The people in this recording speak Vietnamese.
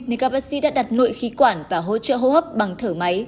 nên các bác sĩ đã đặt nội khí quản và hỗ trợ hô hấp bằng thở máy